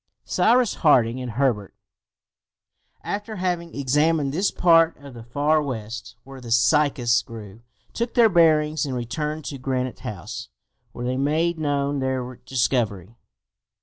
Cyrus Harding and Herbert, after having examined that part of the Far West where the cycas grew, took their bearings, and returned to Granite House, where they made known their discovery.